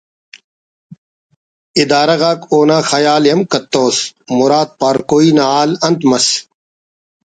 ادارہ غاک اونا خیال ءِ ہم کتوس مراد پارکوئی ناحال انت مس